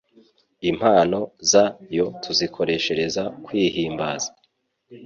Impano za yo tuzikoreshereza kwihimbaza